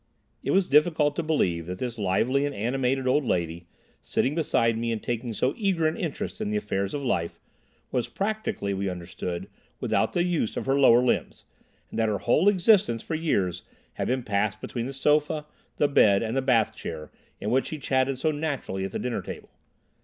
It was difficult to believe that this lively and animated old lady, sitting beside me and taking so eager an interest in the affairs of life, was practically, we understood, without the use of her lower limbs, and that her whole existence for years had been passed between the sofa, the bed, and the bath chair in which she chatted so naturally at the dinner table.